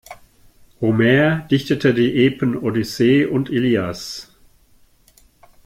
Homer dichtete die Epen Odyssee und Ilias.